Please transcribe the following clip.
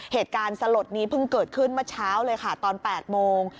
เหตุการณ์สลดนี้เพิ่งเกิดขึ้นเมื่อเช้าเลยค่ะตอน๘โมง